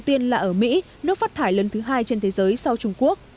trong năm hai nghìn hai mươi nước phát thải lần thứ hai trên thế giới sau trung quốc